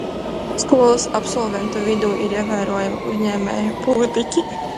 Skolas absolventu vidū ir ievērojami uzņēmēji un politiķi.